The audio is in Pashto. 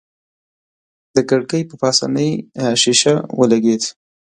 د کړکۍ په پاسنۍ ښيښه ولګېد.